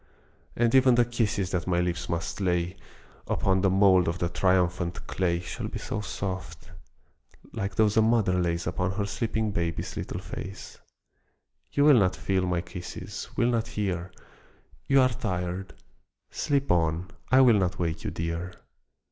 And even the kisses that my lips must lay Upon the mould of the triumphant clay Shall be so soft like those a mother lays Upon her sleeping baby's little face You will not feel my kisses, will not hear; You are tired: sleep on, I will not wake you, dear!